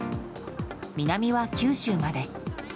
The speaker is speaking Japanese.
南は九州まで。